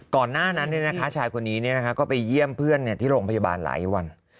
ก่อนหน้านั้นชายคนนี้ก็ไปเยี่ยมเพื่อนที่โรงพยาบาลหลายวัน